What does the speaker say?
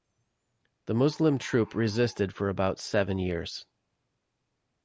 The Muslim troop resisted for about seven years.